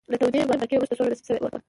له تودې معرکې وروسته سوله نصیب شوې وي.